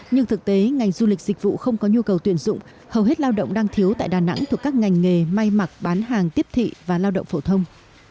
nhưng thực tế ngành du lịch dịch vụ không có nhu cầu tuyển dụng hầu hết lao động đang thiếu tại đà nẵng thuộc các ngành nghề may mặc bán hàng tiếp thị và lao động phổ thông